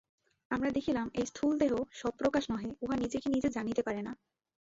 আমরা দেখিলাম এই স্থূলদেহ স্বপ্রকাশ নহে, উহা নিজেকে নিজে জানিতে পারে না।